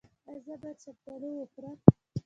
ایا زه باید شفتالو وخورم؟